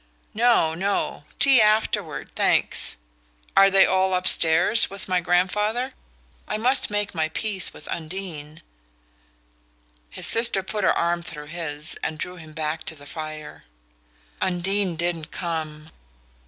"No, no tea afterward, thanks. Are they all upstairs with my grandfather? I must make my peace with Undine " His sister put her arm through his, and drew him back to the fire. "Undine didn't come."